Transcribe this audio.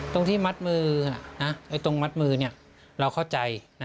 ตรงที่มัดมือตรงมัดมือเราเข้าใจ